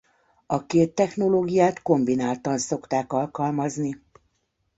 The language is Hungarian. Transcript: A két technológiát kombináltan szokták alkalmazni.